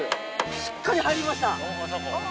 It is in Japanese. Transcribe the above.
しっかり入りました。